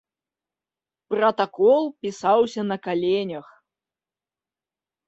Пратакол пісаўся на каленях.